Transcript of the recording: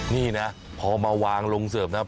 นี่นะพอมาวางลงเสิร์ฟนะ